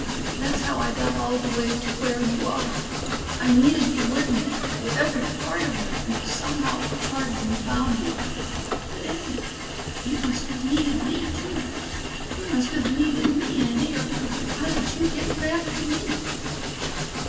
That's how I got all the way to where you are. I needed you with me with every part of me, and somehow part of me found you. But Andy, you must have needed me, too. You must have needed me, Andy, or how did you get back to me?"